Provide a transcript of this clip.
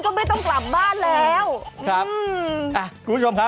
ที่มาของคำว่าไม่เน้นเอวเน้นคอนะจ๊ะ